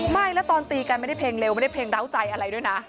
ไม่แล้วตอนตีกันไม่ได้เพลงเร็วไม่ได้เพลงร้าวใจอะไรด้วยนะ